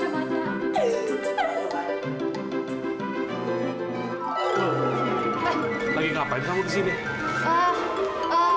mulai bakal indah